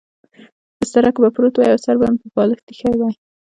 په بستره کې به پروت وای او سر به مې پر بالښت اېښی و.